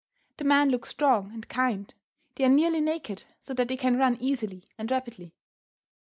The men look strong and kind. They are nearly naked, so that they can run easily and rapidly.